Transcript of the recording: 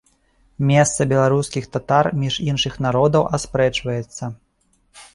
Месца беларускіх татар між іншых народаў аспрэчваецца.